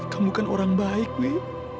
kamu kan orang baik nih